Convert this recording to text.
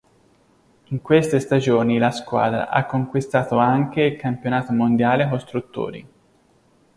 In queste stagioni la squadra ha conquistato anche il campionato mondiale costruttori.